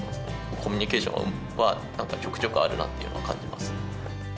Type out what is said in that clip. コミュニケーションはちょくちょくあるなっていうのは感じます。